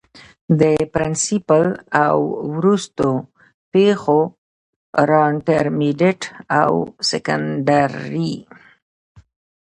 د پرنسپل او وروستو پيښورانټرميډيټ او سکنډري